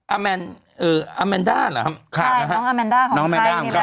อาแมนเอ่ออาแมนด้าเหรอครับใช่ของอาแมนด้าของไซค์นี้แหละ